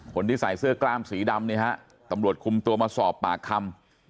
คนที่ใส่เสื้อกล้ามสีดำเนี่ยฮะตำรวจคุมตัวมาสอบปากคำ